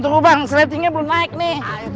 dulu bang seletingnya belum naik nih